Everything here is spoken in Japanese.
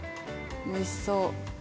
おいしそう。